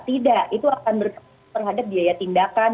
tidak itu akan berhadap biaya tindakan